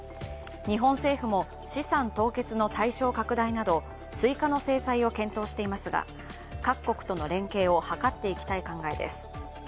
日本政府も資産凍結の対象拡大など追加の制裁を検討していますが各国との連携を図っていきたい考えです。